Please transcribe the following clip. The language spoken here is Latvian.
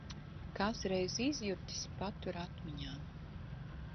Kas reiz izjutis – patur atmiņā.